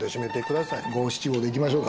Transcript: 五・七・五でいきましょうか。